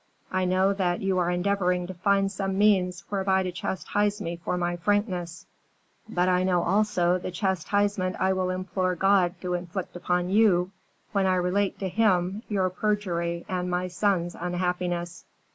I know that you are endeavoring to find some means whereby to chastise me for my frankness; but I know also the chastisement I will implore God to inflict upon you when I relate to Him your perjury and my son's unhappiness."